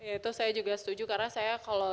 itu saya juga setuju karena saya kalau